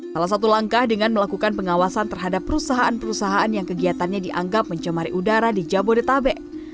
salah satu langkah dengan melakukan pengawasan terhadap perusahaan perusahaan yang kegiatannya dianggap mencemari udara di jabodetabek